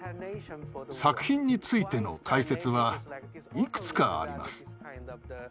作品についての解説はいくつかあります。